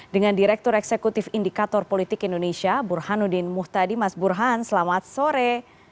dengan direktur eksekutif indikator politik indonesia burhanuddin muhtadi mas burhan selamat sore